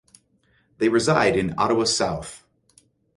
They reside in Ottawa South.